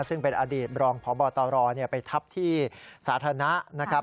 ซึ่งเป็นอดีตรองพบตรไปทับที่สาธารณะนะครับ